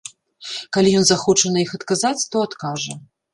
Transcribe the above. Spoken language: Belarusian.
Калі ён захоча на іх адказаць, то адкажа.